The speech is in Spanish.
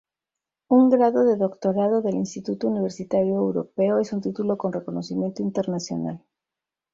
Un grado de doctorado del Instituto Universitario Europeo es un título con reconocimiento internacional.